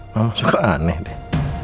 mama suka aneh deh